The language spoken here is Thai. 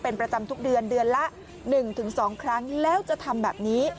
เป็นประจำทุกเดือนเดือนละ๑๒ครั้งแล้วจะทำแบบนี้